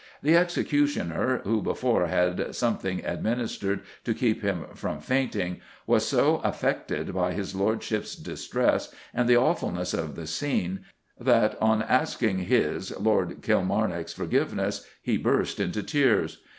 "The executioner, who before had something administered to keep him from fainting, was so affected by his lordship's distress, and the awfulness of the scene that, on asking his [Lord Kilmarnock's] forgiveness, he burst into tears.